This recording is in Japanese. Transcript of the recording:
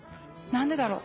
何でだろ。